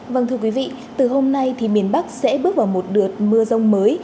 vâng thưa quý vị từ hôm nay thì miền bắc sẽ bước vào một đợt mưa rông mới